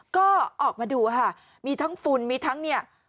ก็ออกมาดูค่ะมีทั้งฝุ่นมีทั้งเนี่ย